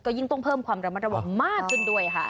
ยิ่งต้องเพิ่มความระมัดระวังมากขึ้นด้วยค่ะ